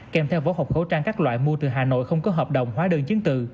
kèm theo bỏ hộp khẩu trang các loại mua từ hà nội không có hợp đồng hóa đơn chiến tự